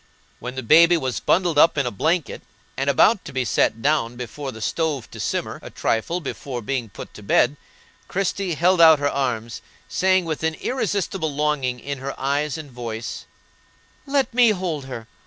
When the baby was bundled up in a blanket and about to be set down before the stove to simmer a trifle before being put to bed, Christie held out her arms, saying with an irresistible longing in her eyes and voice: "Let me hold her!